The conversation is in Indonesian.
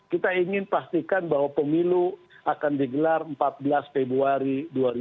kita ingin pastikan bahwa pemilu akan digelar empat belas februari dua ribu dua puluh